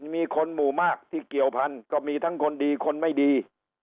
มีคนหมู่มากที่เกี่ยวพันธุ์ก็มีทั้งคนดีคนไม่ดี